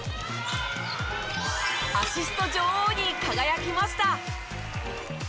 アシスト女王に輝きました！